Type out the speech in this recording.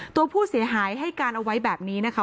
ตัวผู้เสียหายให้การเอาไว้แบบนี้นะคะ